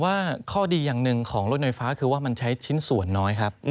ว่าข้อดีอย่างหนึ่งของรถไฟฟ้าคือว่ามันใช้ชิ้นส่วนน้อยครับ